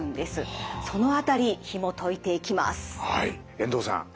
遠藤さん